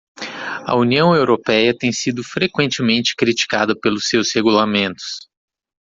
A União Europeia tem sido frequentemente criticada pelos seus regulamentos.